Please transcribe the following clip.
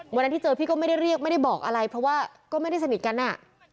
วันนั้นที่เจอพี่ก็ไม่ได้เรียกไม่ได้บอกอะไรเพราะว่าก็ไม่ได้สนิทกันอ่ะ